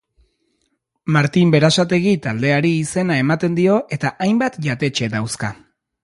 Martin Berasategi taldeari izena ematen dio eta hainbat jatetxe dauzka.